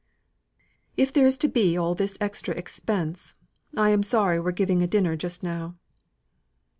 "If there is to be all this extra expense, I'm sorry we're giving a dinner just now."